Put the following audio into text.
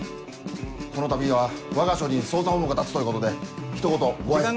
このたびはわが署に捜査本部が立つということでひと言ごあいさつ。